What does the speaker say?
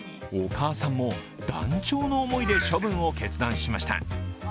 お母さんも断腸の思いで処分を決断しました。